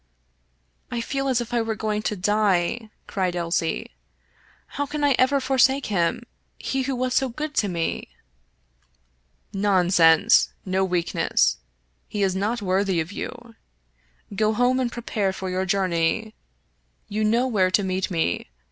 " I feel as if I were going to die," cried Elsie. " How can I ever forsake him — he who was so good to me ?"" Nonsense ! no weakness. He is not worthy of you. Go home and prepare for your journey. You know where to meet me.